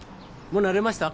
もう慣れました？